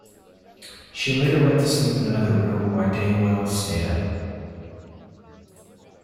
She later went to sleep in another room while Deuel stayed up.